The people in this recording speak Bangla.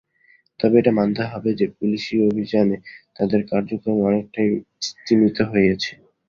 তবে এটা মানতে হবে যে পুলিশি অভিযানে তাদের কার্যক্রম অনেকটাই স্তিমিত হয়েছে।